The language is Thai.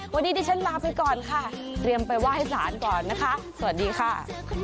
วันนี้ดิฉันลาไปก่อนค่ะเตรียมไปไหว้สารก่อนนะคะสวัสดีค่ะ